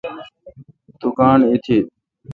تو گاݨڈ ایتھت۔